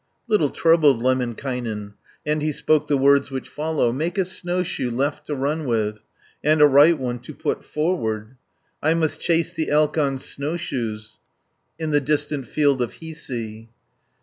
Little troubled Lemminkainen, And he spoke the words which follow: 60 "Make a snowshoe left to run with, And a right one to put forward! I must chase the elk on snowshoes, In the distant field of Hiisi."